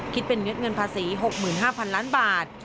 คิดเป็นเม็ดเงินภาษี๖๕๐๐๐ล้านบาท